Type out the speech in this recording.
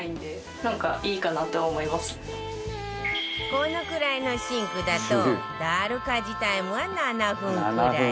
このくらいのシンクだとダル家事タイムは７分くらい